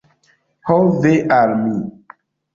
Ho ve al mi!